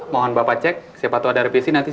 mohon bapak cek siapa tahu ada revisi nanti